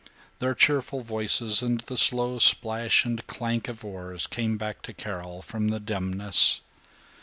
Their cheerful voices and the slow splash and clank of oars came back to Carol from the dimness.